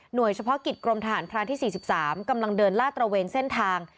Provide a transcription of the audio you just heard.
หน่วยเฉพาะกิจกรมทหารพรานที่สี่สิบสามกำลังเดินลาดตระเวนเส้นทาง